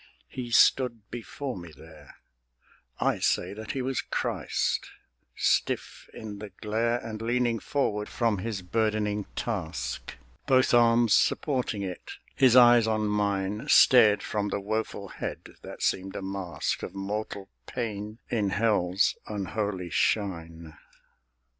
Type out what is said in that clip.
He stood before me there; I say that he was Christ; stiff in the glare, And leaning forward from his burdening task, Both arms supporting it; his eyes on mine Stared from the woeful head that seemed a mask Of mortal pain in Hell's unholy shine.